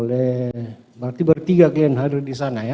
berarti bertiga kalian hadir di sana ya